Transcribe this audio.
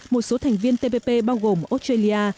một số thành viên tpp bao gồm australia